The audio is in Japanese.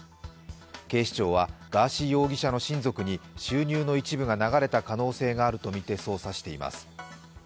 警視庁はガーシー容疑者の親族に収入の一部が流れた可能性があるとみて捜査しています。